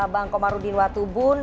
bang komarudin watubun